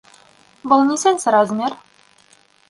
Был нисәнсе размер?